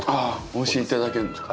お教え頂けるんですか？